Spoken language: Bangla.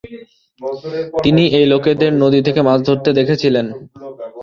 তিনি এই লোকেদের নদী থেকে মাছ ধরতে দেখেছিলেন।